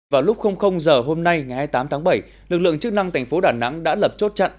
vào lúc h hôm nay ngày hai mươi tám tháng bảy lực lượng chức năng tp đà nẵng đã lập chốt chặn